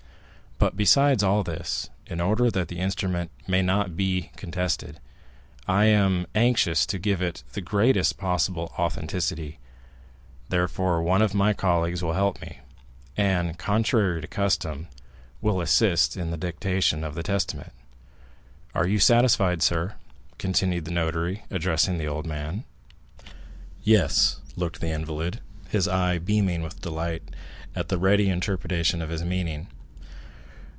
But besides all this, in order that the instrument may not be contested, I am anxious to give it the greatest possible authenticity, therefore, one of my colleagues will help me, and, contrary to custom, will assist in the dictation of the testament. Are you satisfied, sir?" continued the notary, addressing the old man. 30175m "Yes," looked the invalid, his eye beaming with delight at the ready interpretation of his meaning.